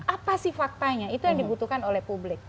apa sih faktanya itu yang dibutuhkan oleh publik